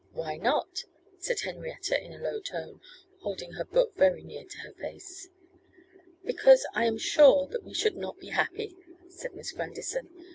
'Why not?' said Henrietta, in a low tone, holding her book very near to her face. 'Because I am sure that we should not be happy,' said Miss Grandison.